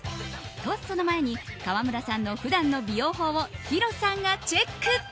と、その前に川村さんの普段の美容法をヒロさんがチェック！